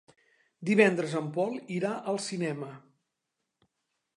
Divendres en Pol irà al cinema.